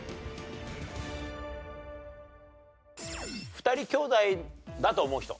２人きょうだいだと思う人。